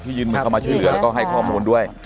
ที่ยืนมือเข้ามาชื่อแล้วก็ให้ความรวมด้วย